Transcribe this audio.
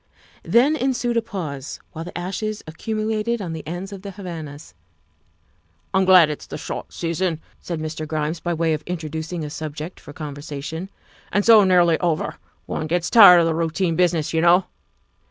Then ensued a pause while the ashes accumulated on the ends of the Havanas. "I'm glad it's the short session," said Mr. Grimes by way of introducing a subject for conversation, " and so nearly over. One gets tired of the routine business, you know.